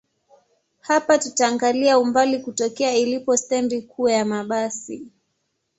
Hapa tutaangalia umbali kutokea ilipo stendi kuu ya mabasi